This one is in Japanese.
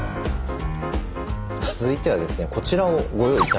続いてはですねこちらをご用意いたしました。